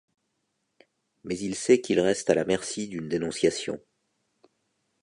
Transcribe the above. Mais il sait qu'il reste à la merci d'une dénonciation...